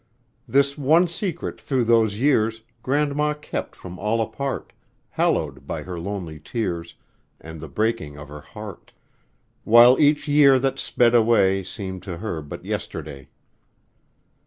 This one secret through those years Grandma kept from all apart, Hallowed by her lonely tears And the breaking of her heart; While each year that sped away Seemed to her but yesterday.